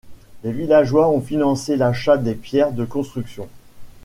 Les villageois ont financé l’achat des pierres de construction.